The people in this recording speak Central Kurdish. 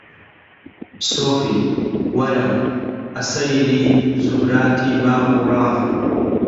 سۆفی! وەرە ئەسەیری زوهووراتی باغ و ڕاغ